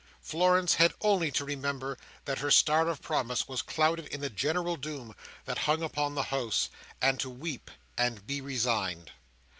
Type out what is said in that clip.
Florence had only to remember that her star of promise was clouded in the general gloom that hung upon the house, and to weep and be resigned.